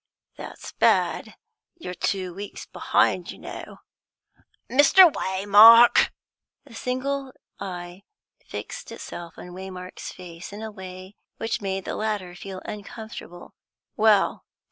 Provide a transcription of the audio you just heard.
"That's bad. You're two weeks behind, you know." "Mr. Waymark." The single eye fixed itself on Waymark's face in a way which made the latter feel uncomfortable. "Well?"